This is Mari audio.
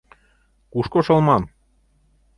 Кушко шылман?